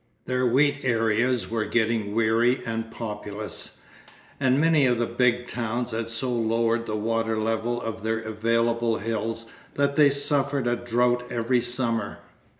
Their wheat areas were getting weary and populous, and many of the big towns had so lowered the water level of their available hills that they suffered a drought every summer.